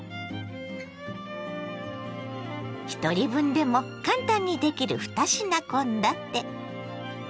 ひとり分でも簡単にできる２品献立。